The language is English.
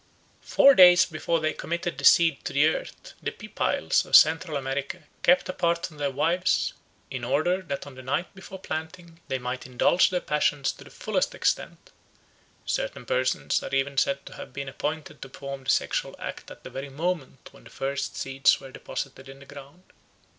For four days before they committed the seed to the earth the Pipiles of Central America kept apart from their wives "in order that on the night before planting they might indulge their passions to the fullest extent; certain persons are even said to have been appointed to perform the sexual act at the very moment when the first seeds were deposited in the ground."